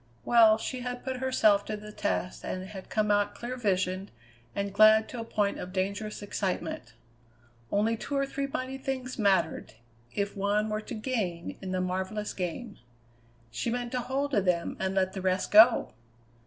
Well, she had put herself to the test and had come out clear visioned and glad to a point of dangerous excitement. Only two or three mighty things mattered, if one were to gain in the marvellous game. She meant to hold to them and let the rest go!